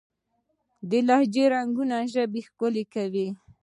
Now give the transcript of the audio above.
د لهجو رنګونه ژبه ښکلې کوي.